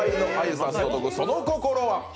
その心は？